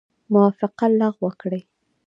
موافقه لغو کړي.